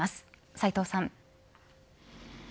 齋藤さん。